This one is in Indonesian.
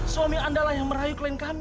suami andalah yang merayu klien kami